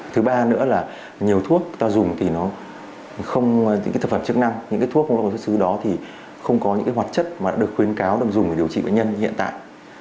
thứ ba nữa là nhiều thuốc ta dùng thì những thuốc không rõ nguồn cấp xuất xứ đó thì không có những hoạt chất mà đã được khuyến cáo đồng dùng để điều trị bệnh nhân hiện tại